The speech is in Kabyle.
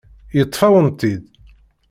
Yeṭṭef-awen-tt-id.